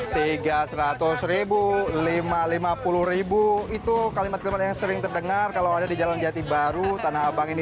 tiga seratus ribu lima puluh ribu itu kalimat kalimat yang sering terdengar kalau ada di jalan jati baru tanah abang ini